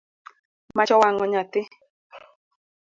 Mach owango nyathi